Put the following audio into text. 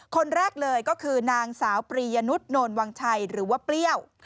คนแรกเลยก็คือนางสาวปรียนุษย์โนนวังชัยหรือว่าเปรี้ยว